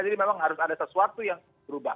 jadi memang harus ada sesuatu yang berubah